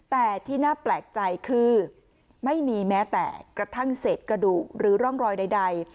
แต่ที่น่าแปลกใจคือไม่มีแม้แต่กระทั่งเศษกระดูกหรือร่องรอยใด